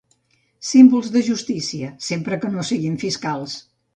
Símbols de la justícia, sempre que no siguin fiscals.